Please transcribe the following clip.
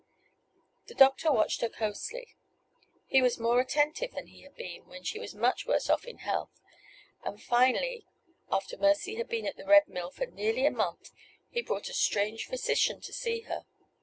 The doctor watched her closely. He was more attentive than he had been when she was much worse off in health; and finally, after Mercy had been at the Red Mill for nearly a month, he brought a strange physician to see her.